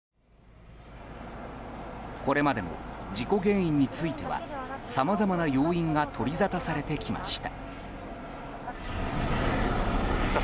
これまでも事故原因についてはさまざまな要因が取りざたされてきました。